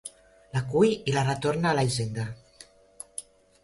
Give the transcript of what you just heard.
L'acull i la retorna a la hisenda.